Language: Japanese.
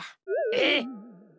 えっ！？